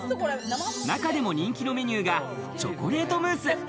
中でも人気のメニューがチョコレートムース。